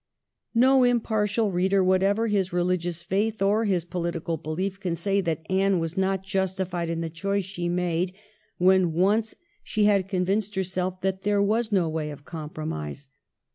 382 THE BEIGN OF QUEEN ANNE. oh. xxxix. No impartial reader, whatever his religious faith or his political beUef, can say that Anne was not justified in the choice she made when once she had convinced herself that there was no way of compro mise.